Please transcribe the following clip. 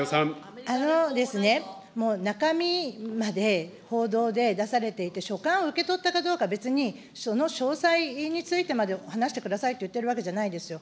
中身まで報道で出されていて、書簡を受け取ったかどうか、別に、その詳細についてまで話してくださいと言ってるわけじゃないですよ。